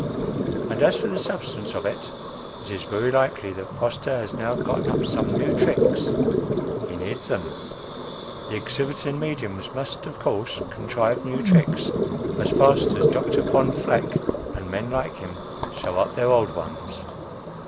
And as for the substance of it, it is very likely that Foster has now gotten up some new tricks. He needs them. The exhibiting mediums must, of course, contrive new tricks as fast as Dr. Von Vleck and men like him show up their old ones.